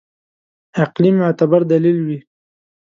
عقلي معتبر دلیل وي.